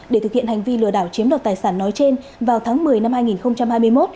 để thực hiện hành vi lừa đảo chiếm đoạt tài sản nói trên vào tháng một mươi năm hai nghìn hai mươi một